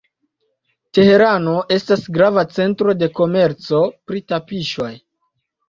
Teherano estas grava centro de komerco pri tapiŝoj.